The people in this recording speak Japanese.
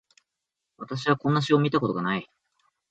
私はこんな詩を見たことがない